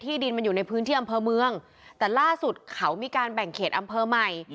ดินมันอยู่ในพื้นที่อำเภอเมืองแต่ล่าสุดเขามีการแบ่งเขตอำเภอใหม่